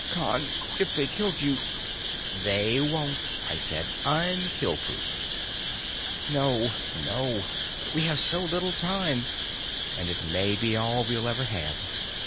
"Con, if they killed you " "They won't," I said. "I'm kill proof." "No, no. We have so little time, and it may be all we'll ever have.